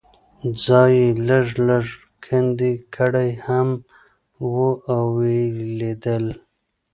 ځای یې لږ لږ کندې کړی هم و او یې لیدل.